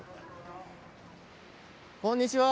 こんにちは。